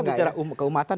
kita bicara keumatan